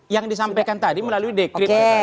yang disampaikan tadi melalui dekret